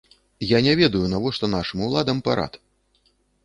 Я не ведаю, навошта нашым уладам парад.